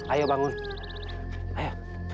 jangan bertobat kepada saya